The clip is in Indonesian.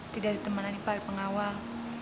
tidak ditemani pak pengawal